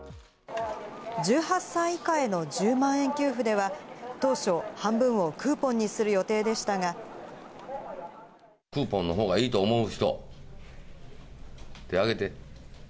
１８歳以下への１０万円給付では、当初、半分をクーポンにする予定クーポンのほうがいいと思う人、手挙げて。